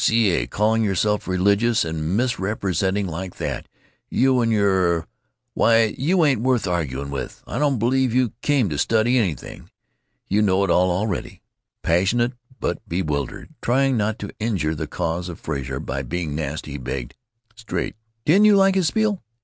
C. A.—calling yourself religious, and misrepresenting like that—you and your——Why, you ain't worth arguing with. I don't believe you 'came to study' anything. You know it all already." Passionate but bewildered, trying not to injure the cause of Frazer by being nasty, he begged: "Straight, didn't you like his spiel?